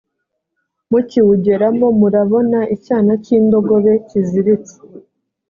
mukiwugeramo murabona icyana cy indogobe kiziritse